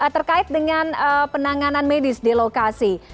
terkait dengan penanganan medis di lokasi